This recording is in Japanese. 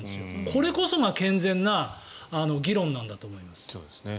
これこそが健全な議論なんだと思います。